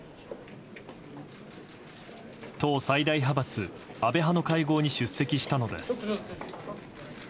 党最大派閥・安倍派の会合に出席したのです。